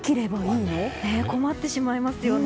困ってしまいますよね。